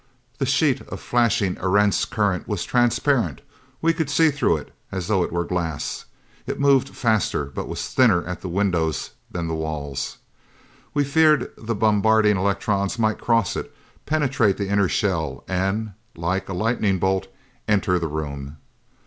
The sheet of flashing Erentz current was transparent; we could see through it as though it were glass. It moved faster, but was thinner at the windows than the walls. We feared the bombarding electrons might cross it, penetrate the inner shell and, like a lightning bolt, enter the room.